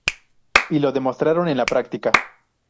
Y lo demostraron en la práctica.